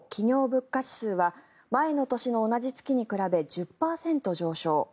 物価指数は前の年の同じ月に比べ１０％上昇。